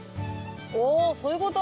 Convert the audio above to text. おそういうこと？